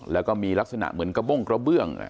และก็มีลักษณะเหมือนกระบ้วง